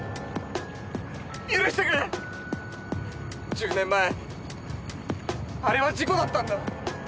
１０年前あれは事故だったんだ！